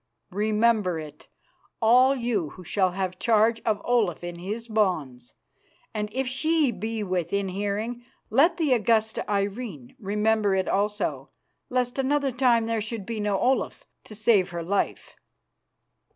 Remember it, all you who shall have charge of Olaf in his bonds, and, if she be within hearing, let the Augusta Irene remember it also, lest another time there should be no Olaf to save her life."